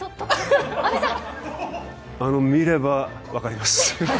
あの、見れば分かります。